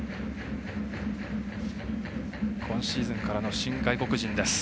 今シーズンからの新外国人です。